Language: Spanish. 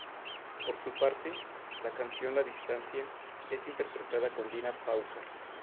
Por su parte, la canción "La distancia", es interpretada con Dina Páucar.